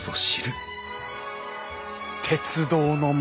鉄道の町！